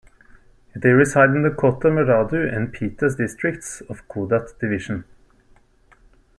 They reside in the Kota Marudu and Pitas districts of Kudat Division.